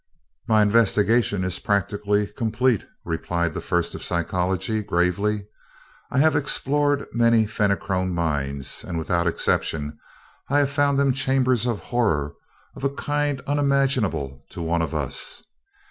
"My investigation is practically complete," replied the First of Psychology, gravely. "I have explored many Fenachrone minds, and without exception I have found them chambers of horror of a kind unimaginable to one of us.